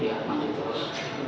ya lanjut terus